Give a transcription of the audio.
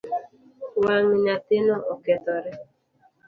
Wang nyathino okethore .